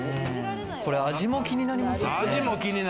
これ味も気になりますよね。